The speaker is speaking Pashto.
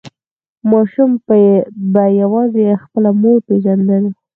ماشوم به یوازې خپله مور پیژندل.